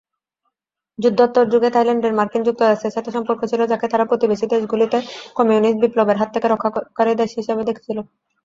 যুদ্ধোত্তর যুগে থাইল্যান্ডের মার্কিন যুক্তরাষ্ট্রের সাথে সম্পর্ক ছিল যাকে তারা প্রতিবেশী দেশগুলিতে কমিউনিস্ট বিপ্লবের হাত থেকে রক্ষাকারী দেশ হিসাবে দেখেছিল।